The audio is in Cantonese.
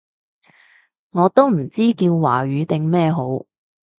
我都唔知叫華語定咩好